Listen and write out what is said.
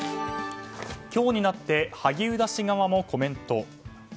今日になって萩生田氏側もコメント。